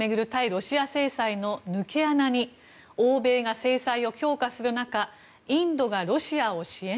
ロシア制裁の抜け穴に欧米が制裁を強化する中インドがロシアを支援？